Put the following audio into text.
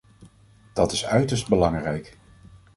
Dat is uiterst belangrijk.